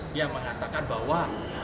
dia mengatakan bahwa